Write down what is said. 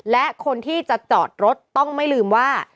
และคนที่จะจอดรถต้องไม่ลืมว่า